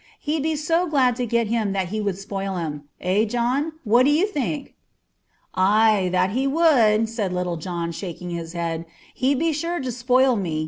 "He'd be so glad to get him that he would spoil him. Eh, John? What do you think?" "Ay, that he would," said Little John, shaking his head. "He'd be sure to spoil me.